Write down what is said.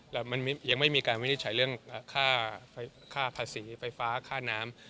แล้วมันยังไม่มีการวินิจฉัยเรื่องค่าภาษีไฟฟ้าค่าน้ำ